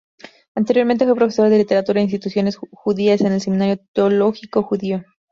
Anteriormente fue profesor de Literatura en instituciones judías en el Seminario Teológico Judío.